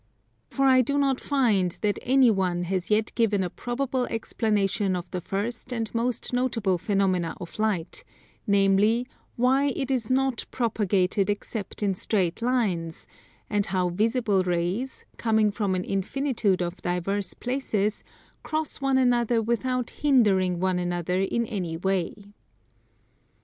For I do not find that any one has yet given a probable explanation of the first and most notable phenomena of light, namely why it is not propagated except in straight lines, and how visible rays, coming from an infinitude of diverse places, cross one another without hindering one another in any way.